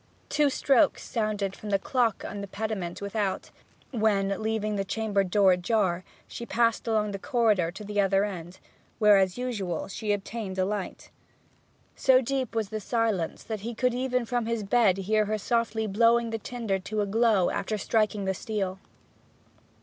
Two strokes sounded from the clock in the pediment without, when, leaving the chamber door ajar, she passed along the corridor to the other end, where, as usual, she obtained a light. So deep was the silence that he could even from his bed hear her softly blowing the tinder to a glow after striking the steel.